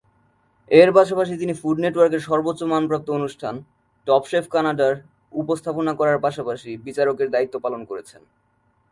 এর পাশাপাশি তিনি ফুড নেটওয়ার্কের সর্বোচ্চ মান প্রাপ্ত অনুষ্ঠান "টপ শেফ কানাডা"-র উপস্থাপনা করার পাশাপাশি বিচারকের দায়িত্ব পালন করেছেন।